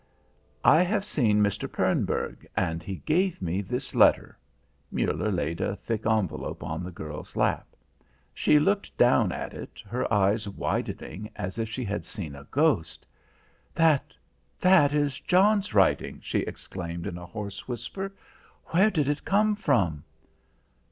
"I have seen Mr. Pernburg and he gave me this letter." Muller laid a thick envelope on the girl's lap. She looked down at it, her eyes widening as if she had seen a ghost. "That that is John's writing," she exclaimed in a hoarse whisper. "Where did it come from?"